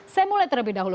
saya mulai terlebih dahulu